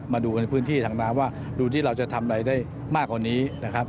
มาดูกันในพื้นที่ทางน้ำว่าดูที่เราจะทำอะไรได้มากกว่านี้นะครับ